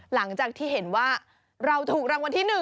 หลังจากที่เห็นว่าเราถูกรางวัลที่๑